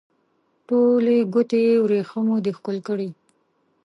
ټولې ګوتې یې وریښمو دي ښکل کړي